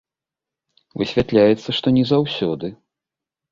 Высвятляецца, што не заўсёды.